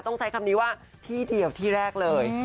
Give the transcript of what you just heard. ต้องใช้คำนี้ว่าที่เดียวที่แรกเลย